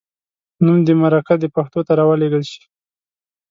نوم دې مرکه د پښتو ته راولیږل شي.